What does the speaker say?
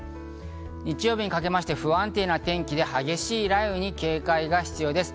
日曜日にかけて不安定な天気で激しい雷雨に警戒が必要です。